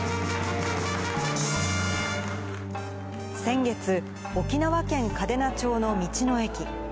先月、沖縄県嘉手納町の道の駅。